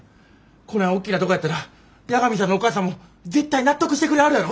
こないおっきなとこやったら八神さんのお母さんも絶対納得してくれはるやろ！